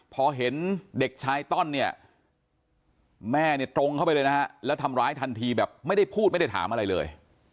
พอเห็นเด็กชายต้อนเนี่ยแม่เนี่ยตรงเข้าไปเลยนะฮะแล้วทำร้ายทันทีแบบไม่ได้พูดไม่ได้ถามอะไรเลย